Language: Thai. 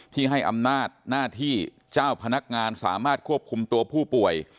ที่ให้อำนาจหน้าที่เจ้าพนักงานสามารถควบคุมตัวผู้ป่วย